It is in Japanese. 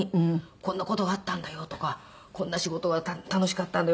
こんな事があったんだよとかこんな仕事が楽しかったんだよ。